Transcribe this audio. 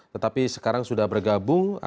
tetapi sekarang sudah bergabung